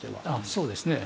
そうですね。